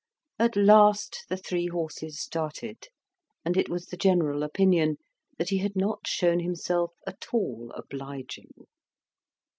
At last the three horses started; and it was the general opinion that he had not shown himself at all obliging.